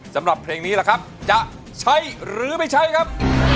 สำหรับเพลงนี้ล่ะครับจะใช้หรือไม่ใช้ครับ